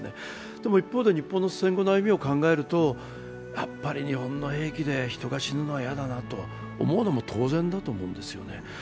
でも一方で日本の戦後の歩みを考えると、やっぱり日本の兵器で人が死ぬのは嫌だなと思うのも当然だと思うんですよ。